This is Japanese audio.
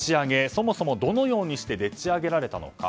そもそもどのようにしてでっち上げられたのか。